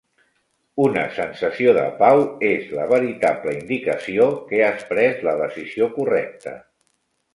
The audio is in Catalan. Una sensació de pau és la veritable indicació que has pres la decisió correcta.